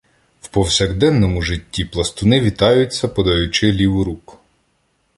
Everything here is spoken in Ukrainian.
В повсякденному житті пластуни вітаються, подаючи ліву руку.